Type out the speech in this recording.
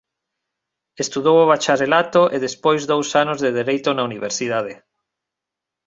Estudou o bacharelato e despois dous anos de dereito na Universidade.